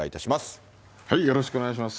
よろしくお願いします。